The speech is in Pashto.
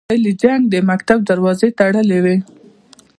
ویل یې جنګ د مکتب دروازې تړلې وې.